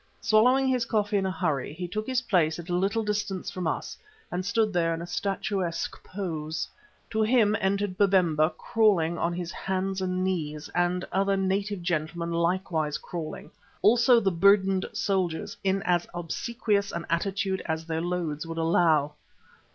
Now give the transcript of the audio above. Swallowing his coffee in a hurry, he took his place at a little distance from us, and stood there in a statuesque pose. To him entered Babemba crawling on his hands and knees, and other native gentlemen likewise crawling, also the burdened soldiers in as obsequious an attitude as their loads would allow.